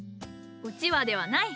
うちわではない。